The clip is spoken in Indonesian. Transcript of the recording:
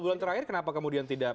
bulan terakhir kenapa kemudian tidak